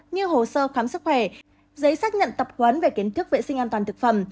như hồ sơ khám sức khỏe giấy xác nhận tập huấn về kiến thức vệ sinh an toàn thực phẩm